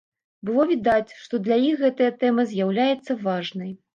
Было відаць, што для іх гэтая тэма з'яўляецца важнай.